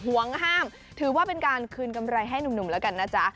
ว่าเป็นการคืนกำไรให้หนุ่มแล้วกันนะจ๊ะ